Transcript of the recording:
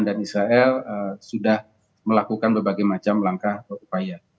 dan israel sudah melakukan berbagai macam langkah berupaya